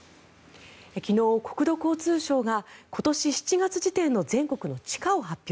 昨日、国土交通省が今年７月時点の全国の地価を発表。